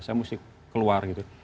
saya mesti keluar gitu